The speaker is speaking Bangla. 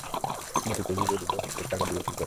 মতি তবু বলিল, হোটেলের টাকা দেবে কী করে?